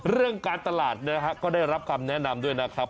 เรื่องการตลาดนะฮะก็ได้รับคำแนะนำด้วยนะครับ